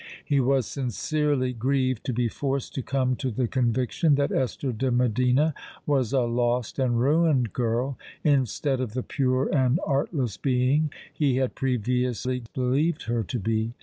He was sincerely grieved to be forced to come to the conviction that Esther de Medina was a lost and ruined girl, instead of the pure and artless being he had previously believed her to be.